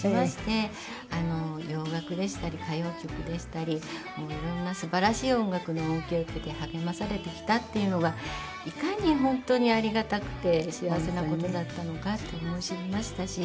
洋楽でしたり歌謡曲でしたり色んなすばらしい音楽の恩恵を受けて励まされてきたっていうのがいかに本当にありがたくて幸せな事だったのかって思い知りましたし。